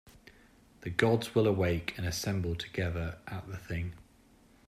The gods will awake and assemble together at the thing.